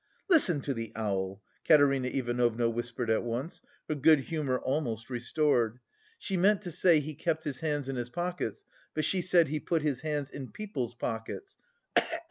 "Listen to the owl!" Katerina Ivanovna whispered at once, her good humour almost restored, "she meant to say he kept his hands in his pockets, but she said he put his hands in people's pockets.